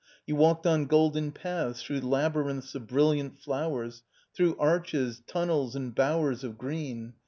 You walked on golden paths through labyrinths of brilliant flowers, through arches, tunnels and bowers of green.